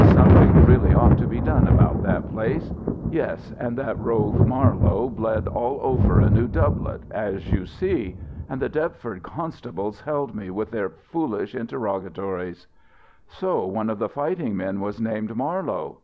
Something really ought to be done about that place. Yes, and that rogue Marler bled all over a new doublet, as you see. And the Deptford constables held me with their foolish interrogatories " "So one of the fighting men was named Marlowe!